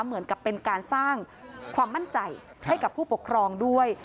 เหมือนกับเป็นการสร้างความมั่นใจให้กับผู้ปกครองด้วย